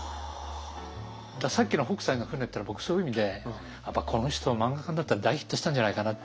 さっきの北斎の舟っていうのは僕そういう意味でやっぱこの人漫画家になったら大ヒットしたんじゃないかなって。